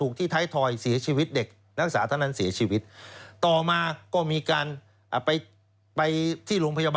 แบบเดียวกันเลย